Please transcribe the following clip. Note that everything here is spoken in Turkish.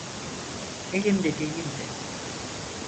Elimde değildi.